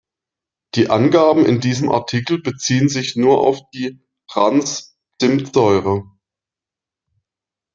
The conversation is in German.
Die Angaben in diesem Artikel beziehen sich nur auf die "trans"-Zimtsäure.